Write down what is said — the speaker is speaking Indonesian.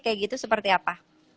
kayak gitu seperti apa